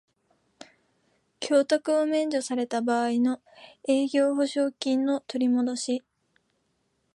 供託を免除された場合の営業保証金の取りもどし